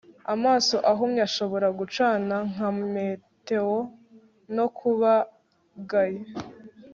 amaso ahumye ashobora gucana nka meteor no kuba gay